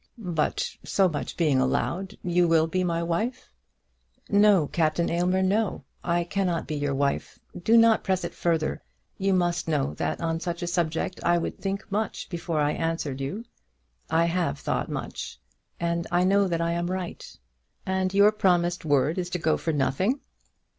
"But, so much being allowed, you will be my wife?" "No, Captain Aylmer; no. I cannot be your wife. Do not press it further; you must know that on such a subject I would think much before I answered you. I have thought much, and I know that I am right." "And your promised word is to go for nothing?"